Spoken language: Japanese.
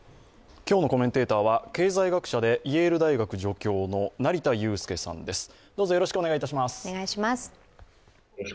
今日のコメンテーターは経済学者でイェール大学助教の成田悠輔さんです、どうぞよろしくお願いします。